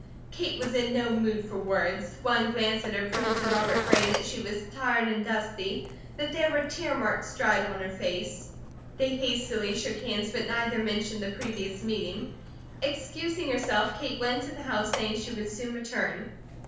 Kate was in no mood for words; one glance at her proved to Robert Gray that she was tired and dusty, that there were tear marks dried on her face. They hastily shook hands, but neither mentioned the previous meeting. Excusing herself Kate went into the house saying she would soon return.